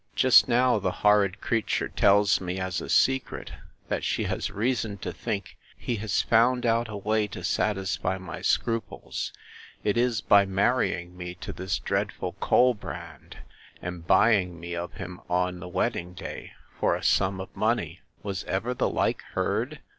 Just now the horrid creature tells me, as a secret, that she has reason to think he has found out a way to satisfy my scruples: It is, by marrying me to this dreadful Colbrand, and buying me of him on the wedding day, for a sum of money!—Was ever the like heard?